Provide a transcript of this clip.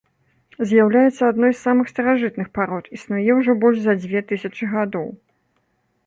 З'яўляецца адной з самых старажытных парод, існуе ўжо больш за дзве тысячы гадоў.